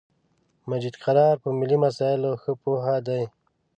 مجید قرار په ملی مسایلو خه پوهه دی